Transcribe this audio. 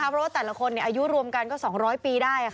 เพราะว่าแต่ละคนอายุรวมกันก็๒๐๐ปีได้